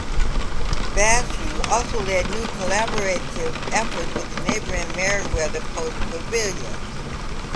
Basu also led new collaborative efforts with the neighboring Merriweather Post Pavillion.